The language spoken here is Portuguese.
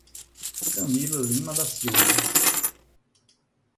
Camila Lima da Silva